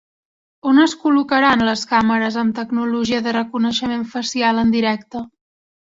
On es col·locaran les càmeres amb tecnologia de reconeixement facial en directe?